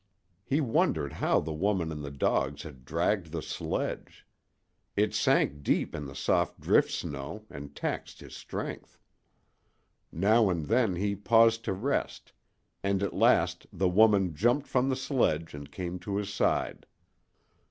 He wondered how the woman and the dogs had dragged the sledge. It sank deep in the soft drift snow, and taxed his strength. Now and then he paused to rest, and at last the woman jumped from the sledge and came to his side.